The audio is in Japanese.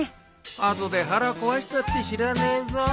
あとで腹壊したって知らねえぞ。